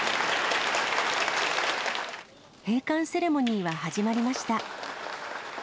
閉館セレモニーは始まりました。